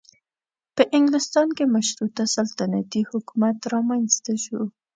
په انګلستان کې مشروطه سلطنتي حکومت رامنځته شو.